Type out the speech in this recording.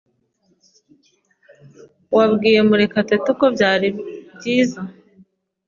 Wabwiye Murekatete uko byari byiza?